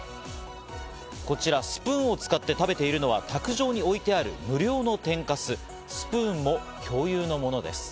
こちらスプーンを使って食べているのは、卓上に置いてある無料の天かす、スプーンも、もちろん共有のものです。